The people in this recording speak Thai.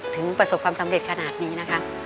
ประสบความสำเร็จขนาดนี้นะคะ